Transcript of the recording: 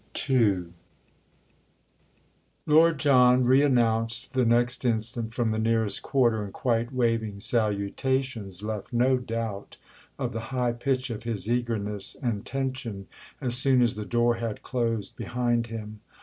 II Lord John, reannounced the next instant from the nearest quarter and quite waiving salutations, left no doubt of the high pitch of his eagerness and tension as soon as the door had closed behind him.